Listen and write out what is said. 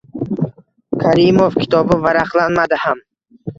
Karimov kitobi varaqlanmadi ham.